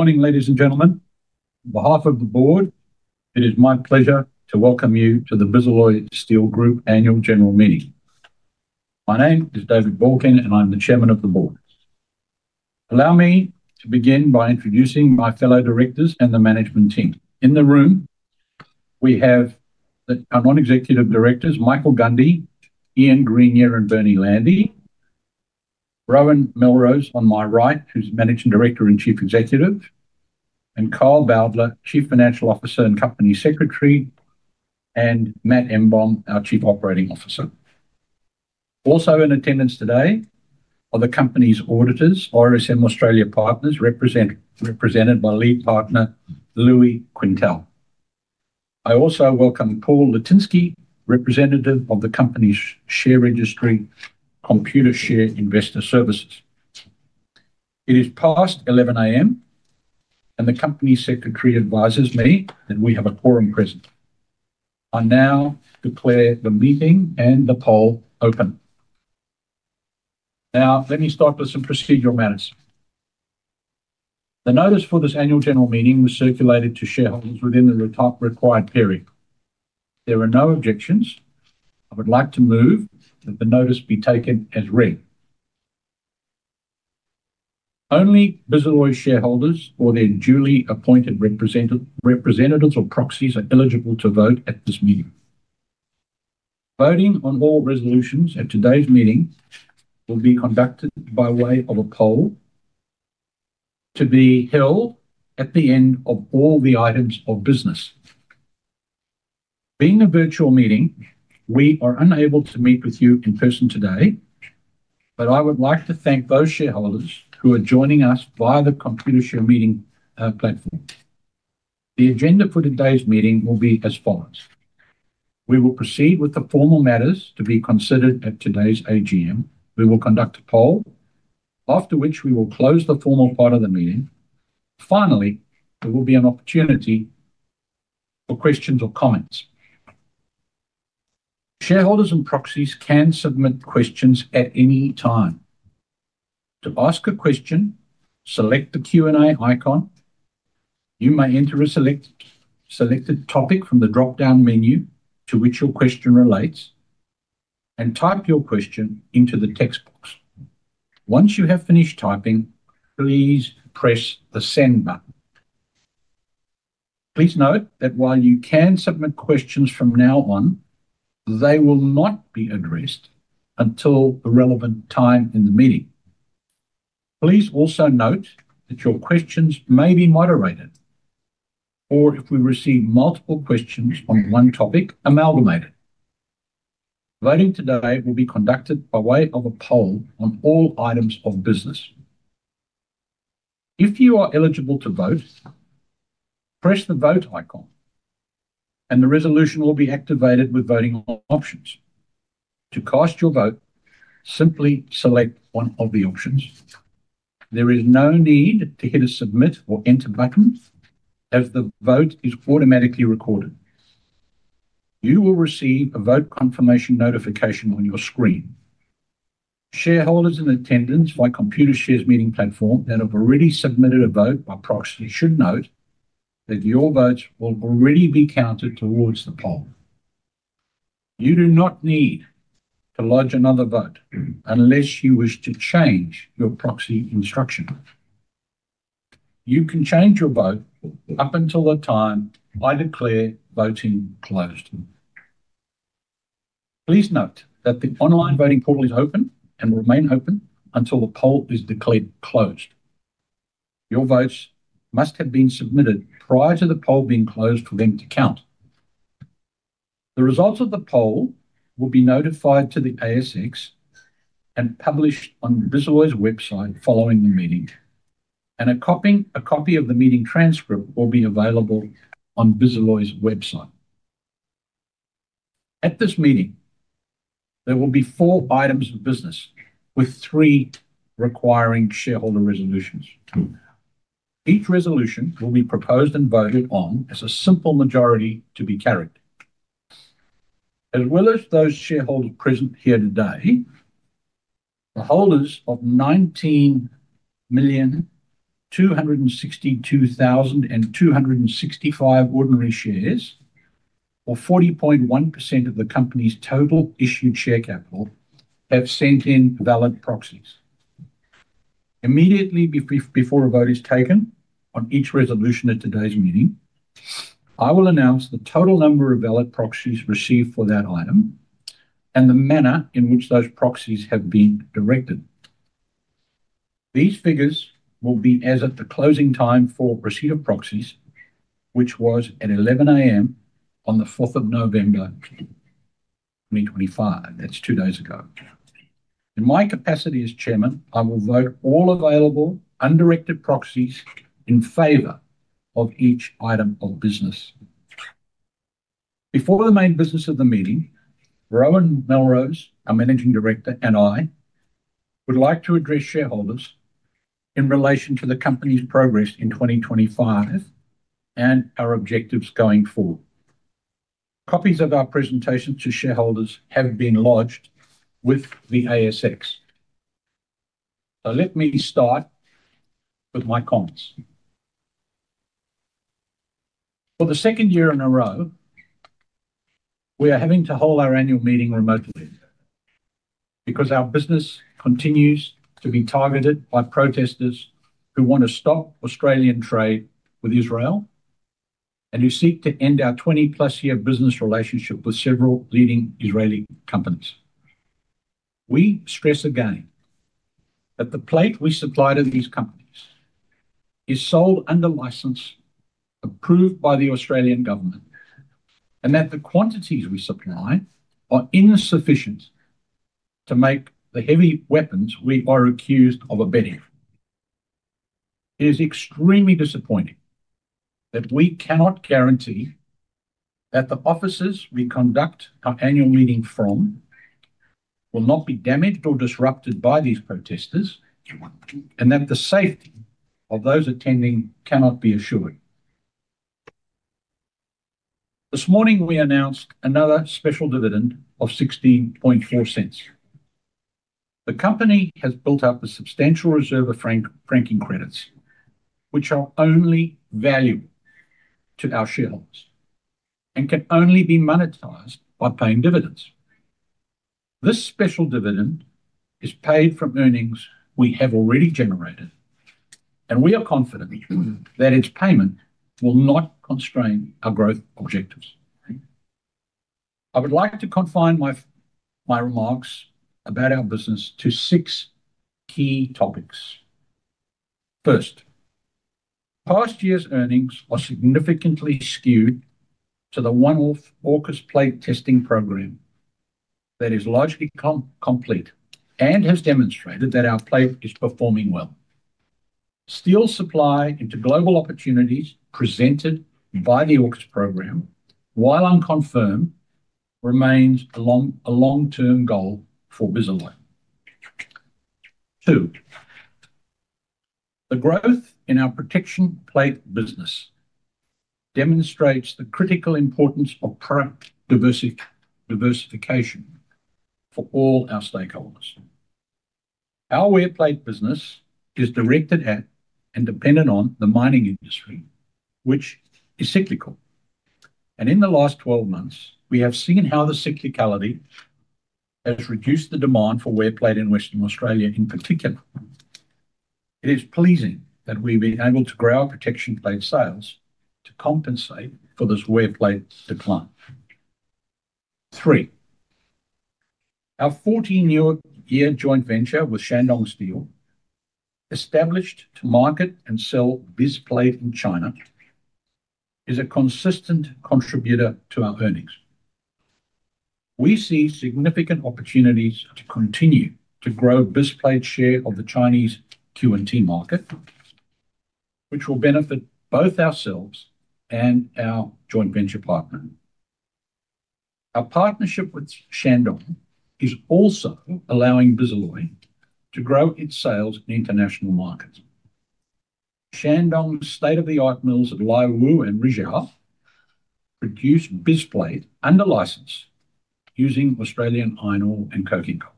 Morning, ladies and gentlemen. On behalf of the board, it is my pleasure to welcome you to the Bisalloy Steel Group annual general meeting. My name is David Balkin, and I'm the Chairman of the Board. Allow me to begin by introducing my fellow directors and the management team. In the room, we have our non-executive directors, Michael Gundy, Ian Greenyer, and Bernie Landy. Rowan Melrose on my right, who's Managing Director and Chief Executive, and Carl Bowdler, Chief Financial Officer and Company Secretary, and Matt Embom, our Chief Operating Officer. Also in attendance today are the Company's Auditors, Ernst & Young Australia Partners, represented by lead partner Louis Quintal. I also welcome Paul Lutonsky, representative of the company's share registry, Computershare Investor Services. It is past 11:00 A.M., and the company secretary advises me that we have a quorum present. I now declare the meeting and the poll open. Now, let me start with some procedural matters. The notice for this Annual General Meeting was circulated to shareholders within the required period. There are no objections. I would like to move that the notice be taken as read. Only Bisalloy shareholders or their duly appointed representatives or proxies are eligible to vote at this meeting. Voting on all resolutions at today's meeting will be conducted by way of a poll, to be held at the end of all the items of business. Being a virtual meeting, we are unable to meet with you in person today. I would like to thank those shareholders who are joining us via the Computershare Meeting platform. The agenda for today's meeting will be as follows. We will proceed with the formal matters to be considered at today's AGM. We will conduct a poll, after which we will close the formal part of the meeting. Finally, there will be an opportunity for questions or comments. Shareholders and proxies can submit questions at any time. To ask a question, select the Q&A icon. You may enter a selected topic from the drop-down menu to which your question relates and type your question into the text box. Once you have finished typing, please press the Send button. Please note that while you can submit questions from now on, they will not be addressed until the relevant time in the meeting. Please also note that your questions may be moderated, or if we receive multiple questions on one topic, amalgamated. Voting today will be conducted by way of a poll on all items of business. If you are eligible to vote, press the Vote icon. The resolution will be activated with voting options. To cast your vote, simply select one of the options. There is no need to hit a Submit or Enter button, as the vote is automatically recorded. You will receive a vote confirmation notification on your screen. Shareholders in attendance by Computershare Meeting platform that have already submitted a vote by proxy should note that your votes will already be counted towards the poll. You do not need to lodge another vote unless you wish to change your proxy instruction. You can change your vote up until the time I declare voting closed. Please note that the online voting portal is open and will remain open until the poll is declared closed. Your votes must have been submitted prior to the poll being closed for them to count. The results of the poll will be notified to the ASX. Published on Bisalloy's website following the meeting. A copy of the meeting transcript will be available on Bisalloy's website. At this meeting, there will be four items of business with three requiring shareholder resolutions. Each resolution will be proposed and voted on as a simple majority to be carried. As well as those shareholders present here today, the holders of 19,262,265 ordinary shares, or 40.1% of the company's total issued share capital, have sent in valid proxies. Immediately before a vote is taken on each resolution at today's meeting, I will announce the total number of valid proxies received for that item and the manner in which those proxies have been directed. These figures will be as at the closing time for receipt of proxies, which was at 11:00 A.M. on the 4th of November 2025. That is two days ago. In my capacity as Chairman, I will vote all available undirected proxies in favor of each item of business. Before the main business of the meeting, Rowan Melrose, our Managing Director, and I, would like to address shareholders in relation to the company's progress in 2025 and our objectives going forward. Copies of our presentations to shareholders have been lodged with the ASX. Let me start with my comments. For the second year in a row, we are having to hold our Annual Meeting remotely because our business continues to be targeted by protesters who want to stop Australian trade with Israel, and who seek to end our 20+ year business relationship with several leading Israeli companies. We stress again that the plate we supply to these companies is sold under license, approved by the Australian government. That the quantities we supply are insufficient to make the heavy weapons we are accused of abetting. It is extremely disappointing that we cannot guarantee that the officers we conduct our Annual Meeting from will not be damaged or disrupted by these protesters, and that the safety of those attending cannot be assured. This morning, we announced another special dividend of 0.164. The company has built up a substantial reserve of Franking credits, which are only valuable to our shareholders and can only be monetized by paying dividends. This special dividend is paid from earnings we have already generated, and we are confident that its payment will not constrain our growth objectives. I would like to confine my remarks about our business to six key topics. First, past year's earnings are significantly skewed to the one-off AUKUS "plate testing program". That is largely complete and has demonstrated that our plate is performing well. Steel supply into global opportunities presented by the AUKUS program, while unconfirmed, remains a long-term goal for Bisalloy. Two, the growth in our Protection Plate Business demonstrates the critical importance of product diversification for all our stakeholders. Our Wear Plate Business is directed at and dependent on the mining industry, which is cyclical. In the last 12 months, we have seen how the cyclicality has reduced the demand for Wear Plate in Western Australia in particular. It is pleasing that we've been able to grow our Protection Plate sales to compensate for this Wear Plate decline. Three, our 14-year joint venture with Shandong Steel, established to market and sell Bisplate in China, is a consistent contributor to our earnings. We see significant opportunities to continue to grow Bisplate's share of the Chinese Q&T market. Which will benefit both ourselves and our joint venture partner. Our partnership with Shandong is also allowing Bisalloy to grow its sales in international markets. Shandong's state-of-the-art mills at Laiwu and Rizhao produce Bisplate under license using Australian iron ore and coking coal.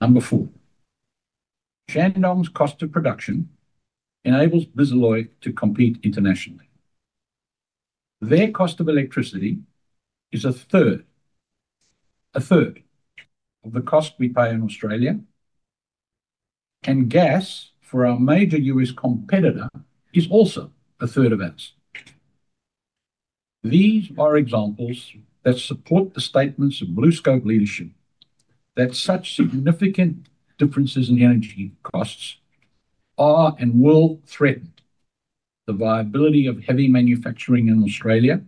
Number four, Shandong's cost of production enables Bisalloy to compete internationally. Their cost of electricity is a third of the cost we pay in Australia, and gas for our major U.S., competitor is also a third of ours. These are examples that support the statements of BlueScope leadership that such significant differences in energy costs are and will threaten the viability of heavy manufacturing in Australia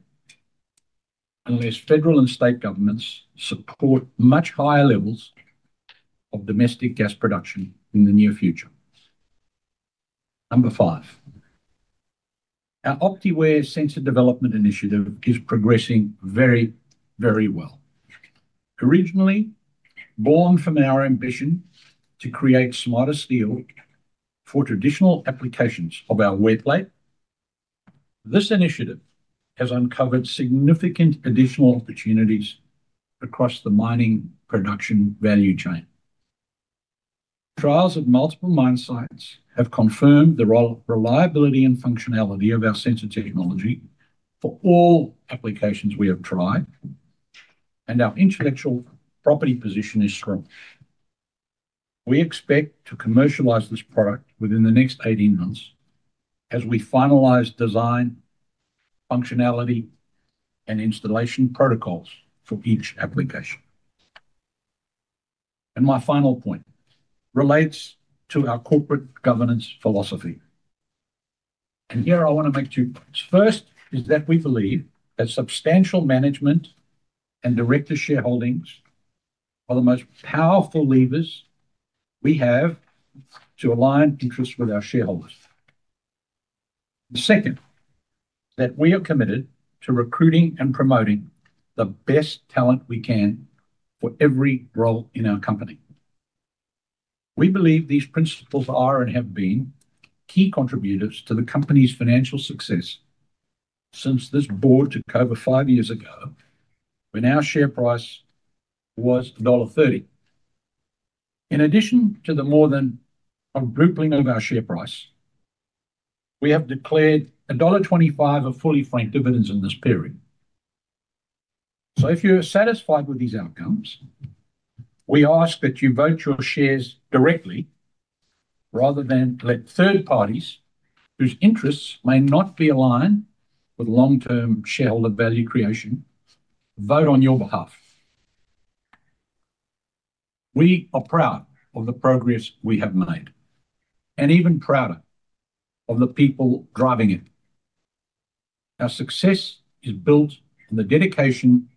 unless federal and state governments support much higher levels of domestic gas production in the near future. Number five. Our OPTIWEAR® sensor development initiative is progressing very, very well. Originally born from our ambition to create smarter steel for traditional applications of our Wear Plate. This initiative has uncovered significant additional opportunities across the mining production value chain. Trials at multiple mine sites have confirmed the reliability and functionality of our Sensor Technology for all applications we have tried. Our intellectual property position is strong. We expect to commercialize this product within the next 18 months as we finalize design, functionality, and installation protocols for each application. My final point relates to our corporate governance philosophy. Here I want to make two points. First is that we believe that substantial management and director shareholdings are the most powerful levers we have to align interests with our shareholders. The second is that we are committed to recruiting and promoting the best talent we can for every role in our company. We believe these principles are and have been key contributors to the company's financial success. Since this board took over five years ago, when our share price was dollar 1.30. In addition to the more than a tripling of our share price. We have declared dollar 1.25 of fully franked dividends in this period. If you're satisfied with these outcomes, we ask that you vote your shares directly, rather than let third parties whose interests may not be aligned with long-term shareholder value creation vote on your behalf. We are proud of the progress we have made, and even prouder of the people driving it. Our success is built on the dedication,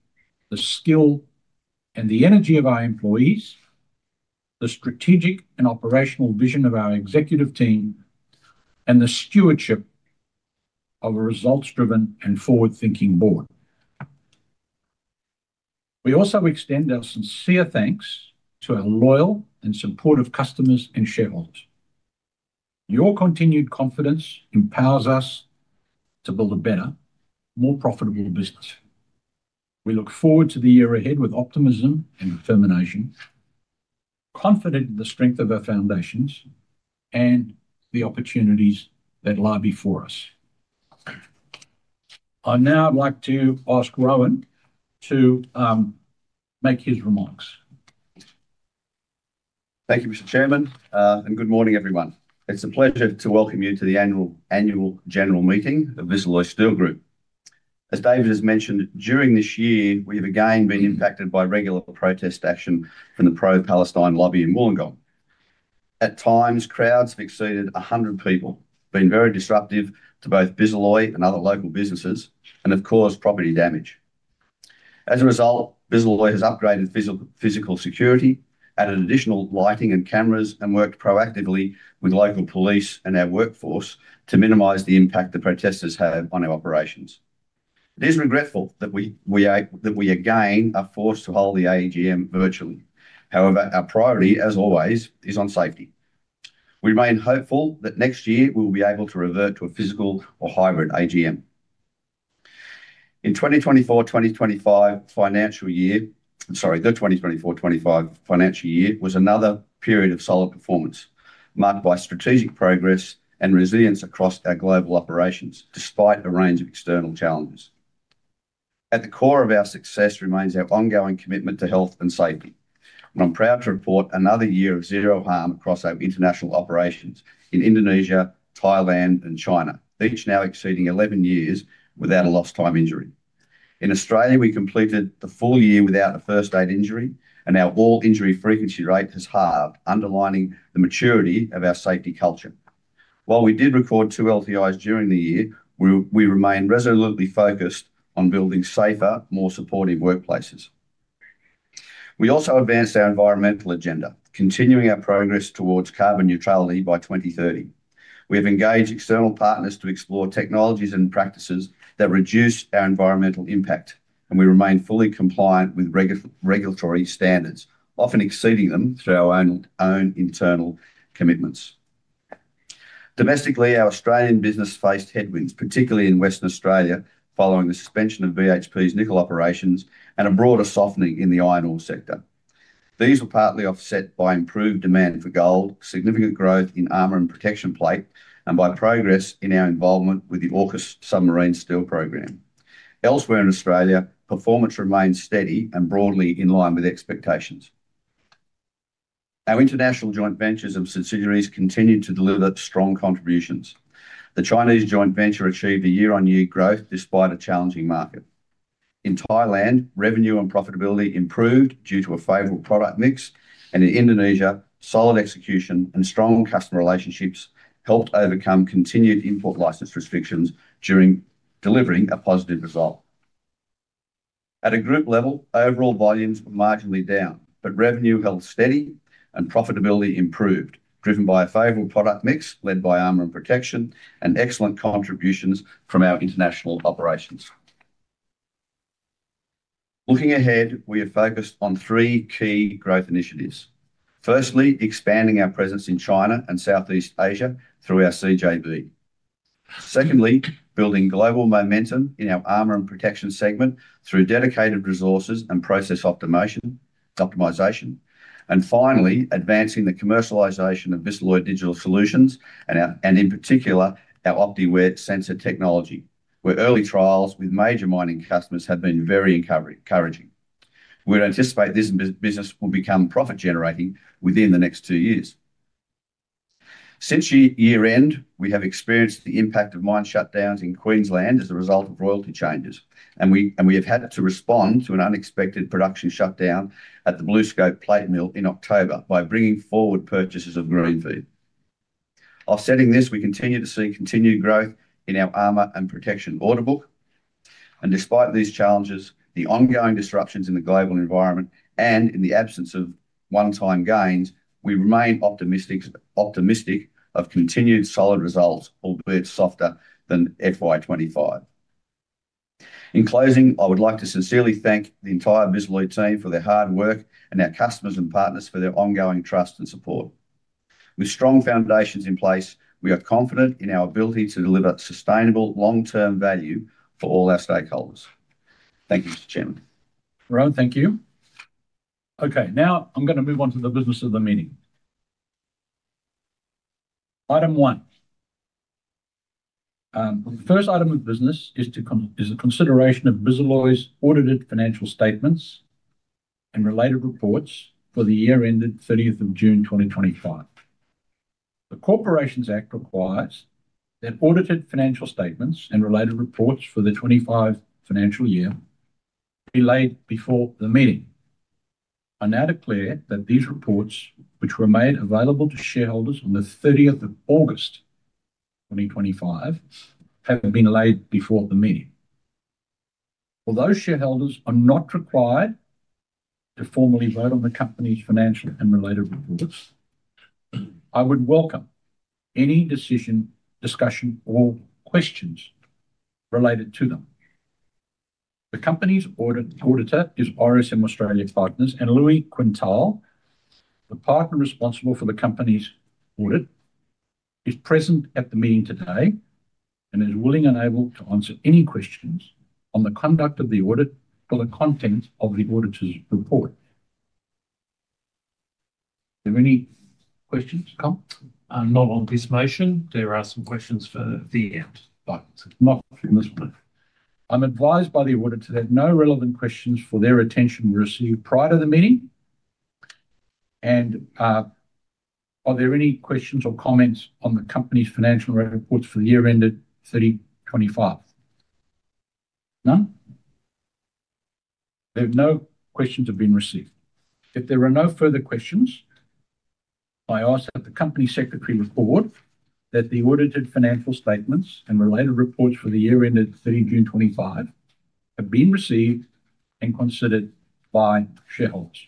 the skill, and the energy of our employees, the strategic and operational vision of our executive team, and the stewardship of a results-driven and forward-thinking board. We also extend our sincere thanks to our loyal and supportive customers and shareholders. Your continued confidence empowers us to build a better, more profitable business. We look forward to the year ahead with optimism and determination, confident in the strength of our foundations and the opportunities that lie before us. I now would like to ask Rowan to make his remarks. Thank you, Mr. Chairman, and good morning, everyone. It's a pleasure to welcome you to the Annual General Meeting of Bisalloy Steel Group. As David has mentioned, during this year, we have again been impacted by regular protest action from the pro-Palestine lobby in Wollongong. At times, crowds have exceeded 100 people, been very disruptive to both Bisalloy and other local businesses, and have caused property damage. As a result, Bisalloy has upgraded physical security, added additional lighting and cameras, and worked proactively with local police and our workforce to minimize the impact the protesters have on our operations. It is regretful that we again are forced to hold the AGM virtually. However, our priority, as always, is on safety. We remain hopeful that next year we will be able to revert to a physical or hybrid AGM. In the 2024-2025 financial year—sorry, the 2024-2025 financial year—was another period of solid performance marked by strategic progress and resilience across our global operations, despite a range of external challenges. At the core of our success remains our ongoing commitment to health and safety. I'm proud to report another year of zero harm across our international operations in Indonesia, Thailand, and China, each now exceeding 11 years without a lost-time injury. In Australia, we completed the full year without a first-aid injury, and our all-injury frequency rate has halved, underlining the maturity of our safety culture. While we did record two LTIs during the year, we remain resolutely focused on building safer, more supportive workplaces. We also advanced our environmental agenda, continuing our progress towards carbon neutrality by 2030. We have engaged external partners to explore technologies and practices that reduce our environmental impact, and we remain fully compliant with regulatory standards, often exceeding them through our own internal commitments. Domestically, our Australian business faced headwinds, particularly in Western Australia, following the suspension of BHP's nickel operations and a broader softening in the iron ore sector. These were partly offset by improved demand for gold, significant growth in armor and protection plate, and by progress in our involvement with the AUKUS Submarine Steel Program. Elsewhere in Australia, performance remains steady and broadly in line with expectations. Our international joint ventures and subsidiaries continue to deliver strong contributions. The Chinese joint venture achieved year-on-year growth despite a challenging market. In Thailand, revenue and profitability improved due to a favorable product mix, and in Indonesia, solid execution and strong customer relationships helped overcome continued import license restrictions, delivering a positive result. At a group level, overall volumes were marginally down, but revenue held steady and profitability improved, driven by a favorable product mix led by armor and protection and excellent contributions from our international operations. Looking ahead, we are focused on three key growth initiatives. Firstly, expanding our presence in China and Southeast Asia through our CJV. Secondly, building global momentum in our Armor and Protection segment through dedicated resources and process optimization. Finally, advancing the commercialization of Bisalloy Digital Solutions and, in particular, our OPTIWEAR® Sensor Technology, where early trials with major mining customers have been very encouraging. We anticipate this business will become profit-generating within the next two years. Since year-end, we have experienced the impact of mine shutdowns in Queensland as a result of royalty changes, and we have had to respond to an unexpected production shutdown at the BlueScope Plate Mill in October by bringing forward purchases of marine feed. Offsetting this, we continue to see continued growth in our armor and protection order book. Despite these challenges, the ongoing disruptions in the global environment and in the absence of one-time gains, we remain optimistic of continued solid results, albeit softer than FY 2025. In closing, I would like to sincerely thank the entire Bisalloy team for their hard work and our customers and partners for their ongoing trust and support. With strong foundations in place, we are confident in our ability to deliver sustainable long-term value for all our stakeholders. Thank you, Mr. Chairman. Rowan, thank you. Okay. Now I'm going to move on to the business of the meeting. Item one. The first item of business is the consideration of Bisalloy's Audited Financial Statements and related reports for the year-ended 30th of June, 2025. The Corporations Act requires that audited financial statements and related reports for the 2025 financial year be laid before the meeting. I now declare that these reports, which were made available to shareholders on the 30th of August, 2025, have been laid before the meeting. Although shareholders are not required. To formally vote on the company's financial and related reports. I would welcome any decision, discussion, or questions related to them. The company's auditor is Ernst & Young Australia Partners, and Louis Quintal. The partner responsible for the company's audit, is present at the meeting today and is willing and able to answer any questions on the conduct of the audit or the contents of the auditor's report. Are there any questions, Carl? Not on this motion. There are some questions for the end, but not for this one. I'm advised by the auditor that no relevant questions for their attention were received prior to the meeting. Are there any questions or comments on the company's financial reports for the year ended 2025? None? There have no questions been received. If there are no further questions, I ask that the Company Secretary report that the Audited Financial Statements and related reports for the year ended 2025 have been received and considered by shareholders.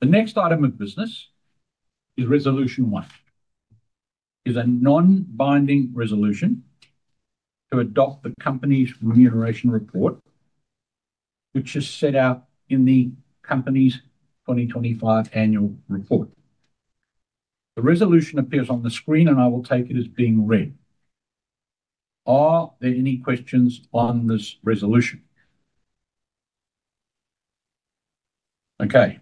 The next item of business is Resolution One. It is a non-binding resolution to adopt the company's remuneration report, which is set out in the company's 2025 annual report. The Resolution appears on the screen, and I will take it as being read. Are there any questions on this Resolution? Okay.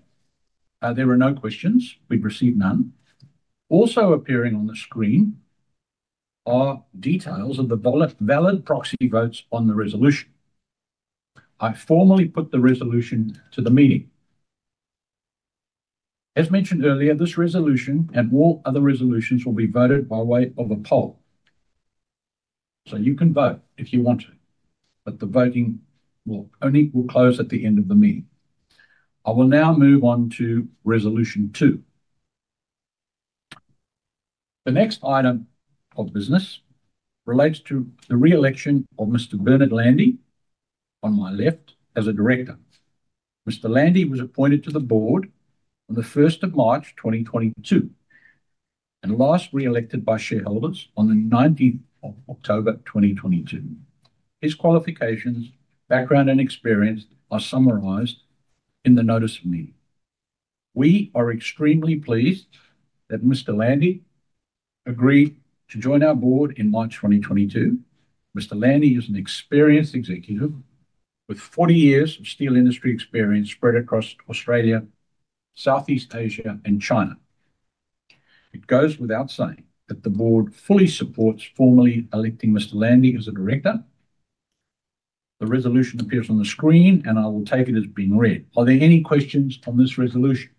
There are no questions. We've received none. Also appearing on the screen are details of the valid proxy votes on the Resolution. I formally put the Resolution to the meeting. As mentioned earlier, this Resolution and all other Resolutions will be voted by way of a poll. You can vote if you want to, but the voting will only close at the end of the meeting. I will now move on to Resolution Two. The next item of business relates to the re-election of Mr. Bernard Landy, on my left, as a director. Mr. Landy was appointed to the board on the 1st of March, 2022, and last re-elected by shareholders on the 19th of October, 2022. His qualifications, background, and experience are summarized in the notice of meeting. We are extremely pleased that Mr. Landy agreed to join our board in March 2022. Mr. Landy is an experienced executive with 40 years of steel industry experience spread across Australia, Southeast Asia, and China. It goes without saying that the board fully supports formally electing Mr. Landy as a director. The Resolution appears on the screen, and I will take it as being read. Are there any questions on this Resolution?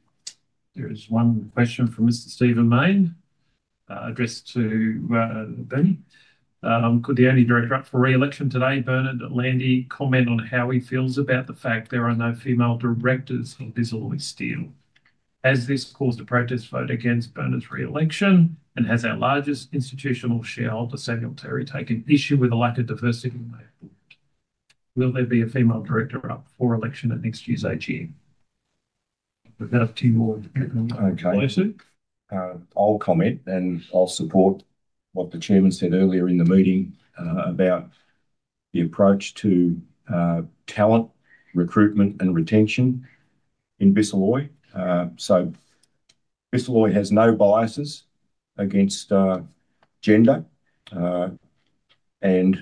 There is one question from Mr. Stephen Main addressed to Bernie. Could the only director up for re-election today, Bernard Landy, comment on how he feels about the fact there are no female directors for Bisalloy Steel? Has this caused a protest vote against Bernard's re-election, and has our largest institutional shareholder, Samuel Terry, taken issue with the lack of diversity in our board? Will there be a female director up for election at next year's AGM? We've got a few more. Okay. I'll comment, and I'll support what the chairman said earlier in the meeting about the approach to talent, recruitment, and retention in Bisalloy. Bisalloy has no biases against gender and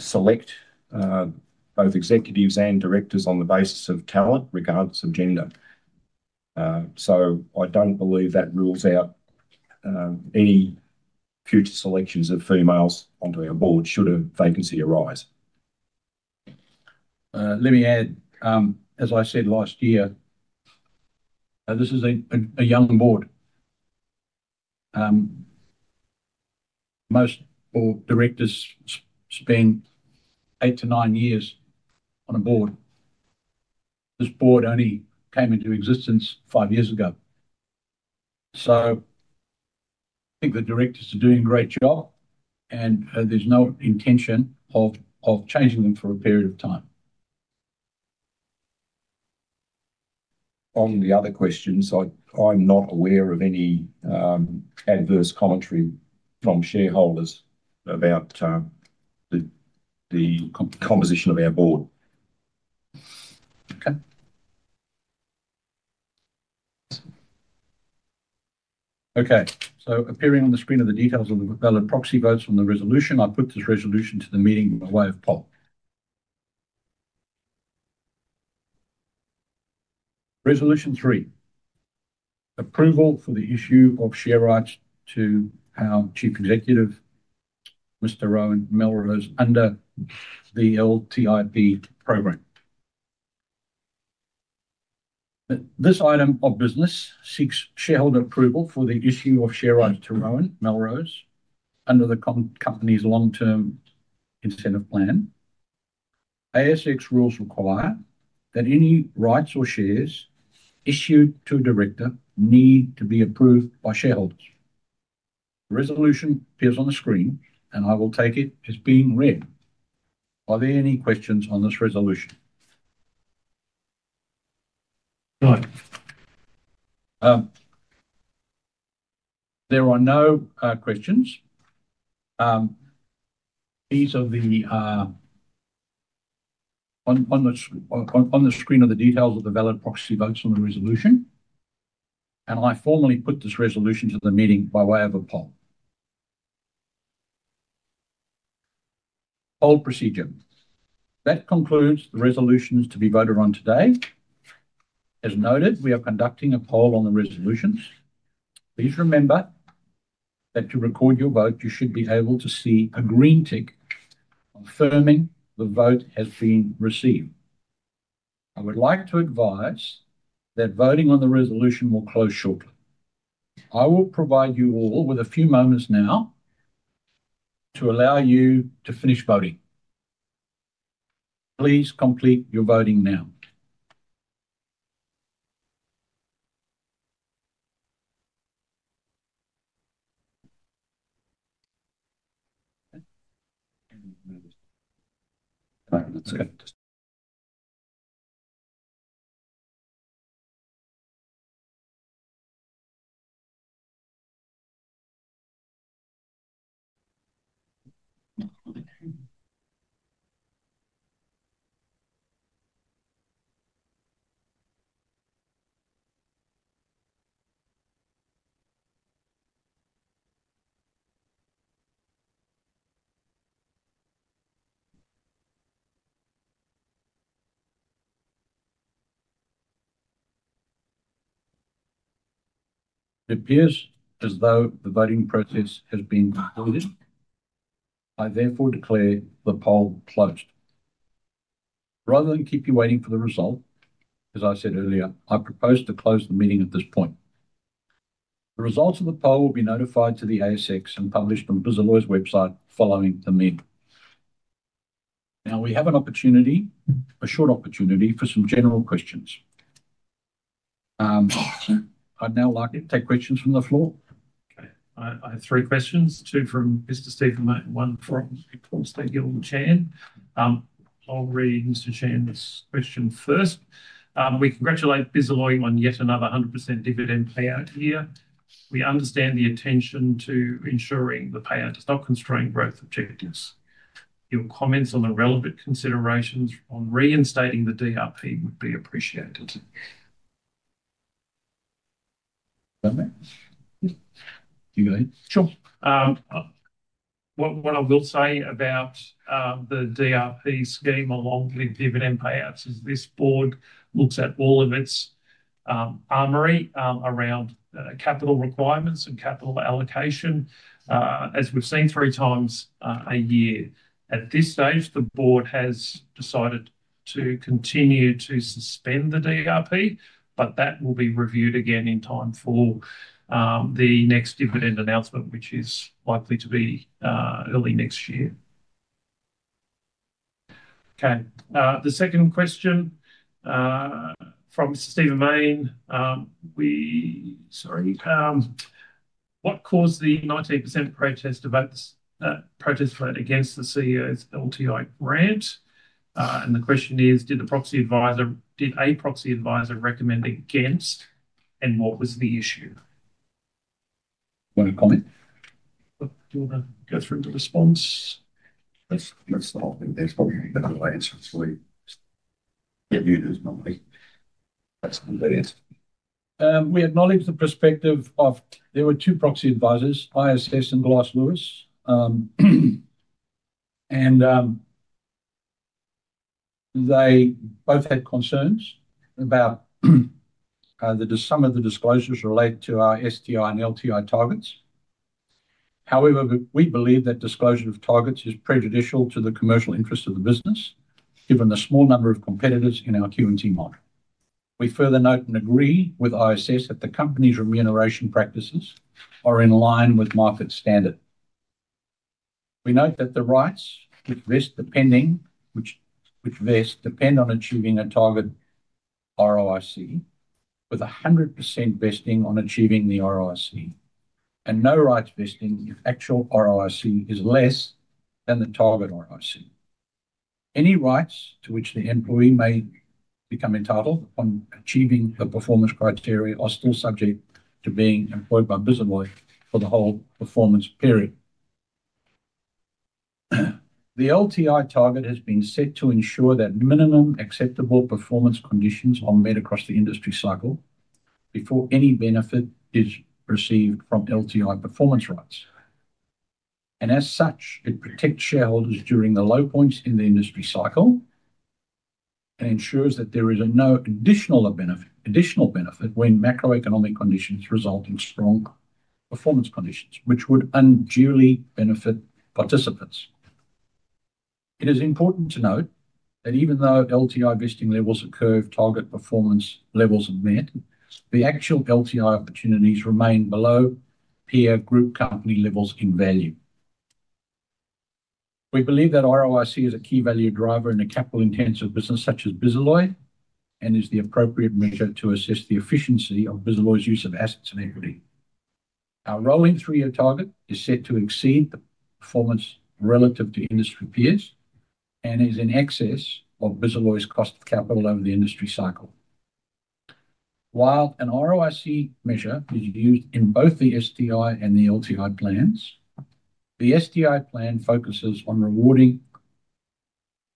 selects both executives and directors on the basis of talent, regardless of gender. I don't believe that rules out any future selections of females onto our board should a vacancy arise. Let me add, as I said last year, this is a younger board. Most board directors spend 8-9 years on a board. This board only came into existence five years ago. I think the directors are doing a great job, and there's no intention of changing them for a period of time. On the other questions, I'm not aware of any adverse commentary from shareholders about the composition of our board. Okay. Appearing on the screen are the details of the valid proxy votes on the Resolution. I put this Resolution to the meeting by way of poll. Resolution Three. Approval for the issue of share rights to our Chief Executive, Mr. Rowan Melrose, under the LTIP program. This item of business seeks shareholder approval for the issue of share rights to Rowan Melrose under the company's Long-Term Incentive Plan. ASX rules require that any rights or shares issued to a director need to be approved by shareholders. The Resolution appears on the screen, and I will take it as being read. Are there any questions on this resolution? No. There are no questions. On the screen are the details of the valid proxy votes on the Resolution. I formally put this Resolution to the meeting by way of a poll. That concludes the Resolutions to be voted on today. As noted, we are conducting a poll on the resolutions. Please remember that to record your vote, you should be able to see a green tick confirming the vote has been received. I would like to advise that voting on the Resolution will close shortly. I will provide you all with a few moments now to allow you to finish voting. Please complete your voting now. It appears as though the voting process has been completed. I therefore declare the poll closed. Rather than keep you waiting for the result. As I said earlier, I propose to close the meeting at this point. The results of the poll will be notified to the ASX and published on Bisalloy's website following the meeting. Now, we have a short opportunity for some general questions. I'd now like to take questions from the floor. Okay. I have three questions, two from Mr. Stephen Main and one from State Guild Chair. I'll read Mr. Chairman's question first. We congratulate Bisalloy on yet another 100% dividend payout year. We understand the attention to ensuring the payout does not constrain growth objectives. Your comments on the relevant considerations on reinstating the DRP would be appreciated. Do you go ahead? Sure. What I will say about the DRP scheme along with dividend payouts is this board looks at all of its armoury around capital requirements and capital allocation. As we've seen 3x a year. At this stage, the board has decided to continue to suspend the DRP, but that will be reviewed again in time for the next dividend announcement, which is likely to be early next year. Okay. The second question from Mr. Stephen Main. Sorry. What caused the 19% protest against the CEO's LTIP grant? And the question is, did a proxy advisor recommend against, and what was the issue? Want to comment? Do you want to go through the response? That's the whole thing. There's probably another answer for you. Get viewed as normally. That's a good answer. We acknowledge the perspective of there were two proxy advisors, ISS and Glass Lewis. They both had concerns about some of the disclosures related to our STI and LTI targets. However, we believe that disclosure of targets is prejudicial to the commercial interests of the business. Given the small number of competitors in our Q&T model. We further note and agree with ISS that the company's remuneration practices are in line with market standard. We note that the rights which vest depending. Depend on achieving a target. ROIC, with 100% vesting on achieving the ROIC, and no rights vesting if actual ROIC is less than the target ROIC. Any rights to which the employee may become entitled upon achieving the performance criteria are still subject to being employed by Bisalloy for the whole performance period. The LTI target has been set to ensure that minimum acceptable performance conditions are met across the industry cycle before any benefit is received from LTI performance rights. As such, it protects shareholders during the low points in the industry cycle. Ensures that there is no additional benefit when macro-economic conditions result in strong performance conditions, which would unduly benefit participants. It is important to note that even though LTI vesting levels occurred, target performance levels are met, the actual LTI opportunities remain below peer group company levels in value. We believe that ROIC is a key value driver in a capital-intensive business such as Bisalloy and is the appropriate measure to assess the efficiency of Bisalloy's use of assets and equity. Our rolling three-year target is set to exceed the performance relative to industry peers and is in excess of Bisalloy's cost of capital over the industry cycle. While an ROIC measure is used in both the STI and the LTI plans, the STI plan focuses on rewarding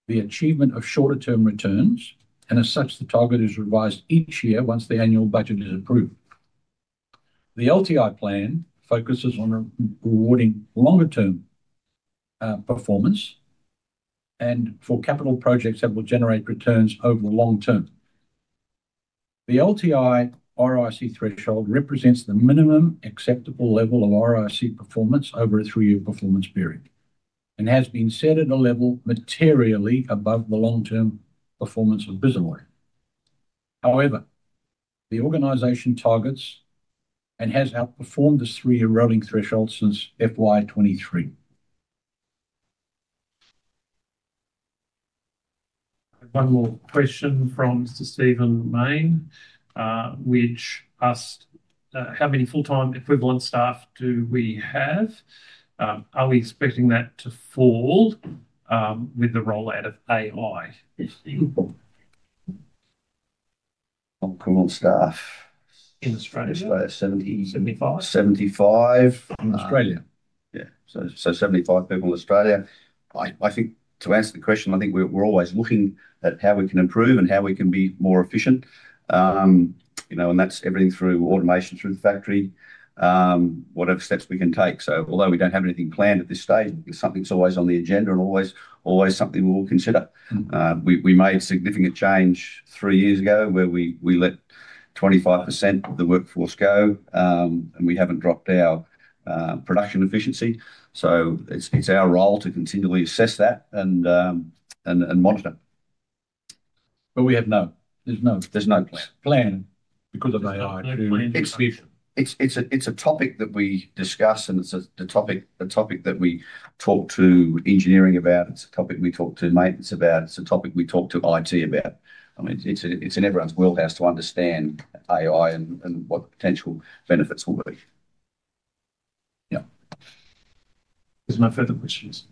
the achievement of shorter-term returns, and as such, the target is revised each year once the annual budget is approved. The LTI plan focuses on rewarding longer-term performance and for capital projects that will generate returns over the long term. The LTI ROIC threshold represents the minimum acceptable level of ROIC performance over a three-year performance period and has been set at a level materially above the long-term performance of Bisalloy. However, the organization targets and has outperformed the three-year rolling threshold since FY 2023. One more question from Mr. Stephen Main, which asked, "How many full-time equivalent staff do we have? Are we expecting that to fall with the rollout of AI?" How many people on equivalent staff? in Australia? Seventy-five? Seventy-five. In Australia? Yeah. So seventy-five people in Australia. I think to answer the question, I think we're always looking at how we can improve and how we can be more efficient. That is everything through automation, through the factory, whatever steps we can take. Although we do not have anything planned at this stage, something is always on the agenda and always something we will consider. We made significant change three years ago where we let 25% of the workforce go, and we have not dropped our production efficiency. It is our role to continually assess that and monitor. There is no plan. There is no plan because of AI. It is a topic that we discuss, and it is a topic that we talk to engineering about. It is a topic we talk to maintenance about. It is a topic we talk to IT about. I mean, it is in everyone's wheelhouse to understand AI and what the potential benefits will be. Yeah. There are no further questions.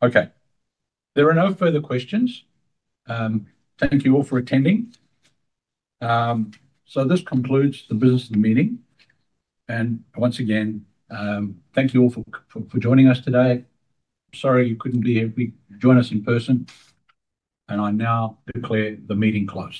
There are no further questions. Thank you all for attending. This concludes the business of the meeting. Once again, thank you all for joining us today. Sorry you couldn't be able to join us in person. I now declare the meeting closed.